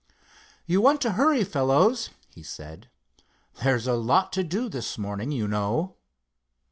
"You want to hurry, fellows," he said. "There's a lot to do this morning, you know."